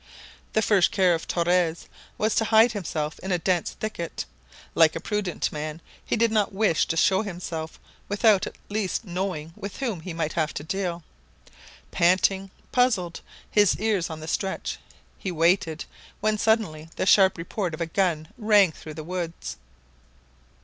The first care of Torres was to hide himself in a dense thicket. Like a prudent man, he did not wish to show himself without at least knowing with whom he might have to deal. Panting, puzzled, his ears on the stretch, he waited, when suddenly the sharp report of a gun rang through the woods.